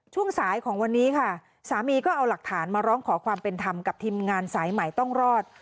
ช่วงสายของวันนี้ค่ะสามีก็เอาหลักฐานมาร้องขอความเป็นธรรมกับทีมงานสายใหม่ต้องรอด